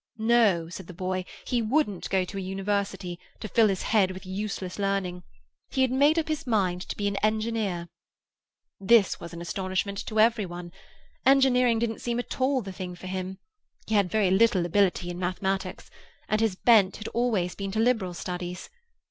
No, said the boy; he wouldn't go to a university, to fill his head with useless learning; he had made up his mind to be an engineer. This was an astonishment to every one; engineering didn't seem at all the thing for him; he had very little ability in mathematics, and his bent had always been to liberal studies.